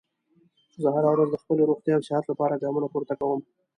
زه هره ورځ د خپلې روغتیا او صحت لپاره ګامونه پورته کوم